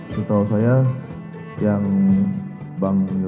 setahu saya yang bang yesua itu menjadi